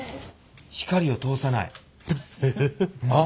光を通さない。